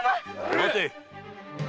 ・待て。